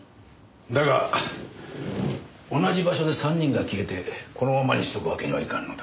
だが同じ場所で３人が消えてこのままにしておくわけにはいかんのだ。